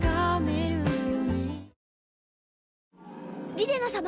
リレナ様